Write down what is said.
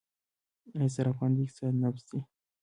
آیا صرافان د اقتصاد نبض دي؟